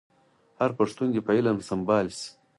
هر پښتون دي په علم سمبال شي.